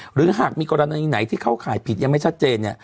หรือหากมีกรณีไหนที่เข้าข่ายผิดยังไม่ชัดเจน